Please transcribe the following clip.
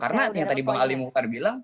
karena yang tadi bang ali muhtar bilang